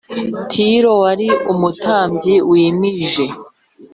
tiro wari umutambyi w i Mij